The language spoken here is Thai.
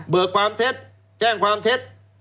ความเท็จแจ้งความเท็จ